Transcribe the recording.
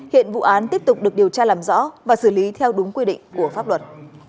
hiện vụ án tiếp tục được điều tra làm rõ và xử lý theo đúng quy định của pháp luật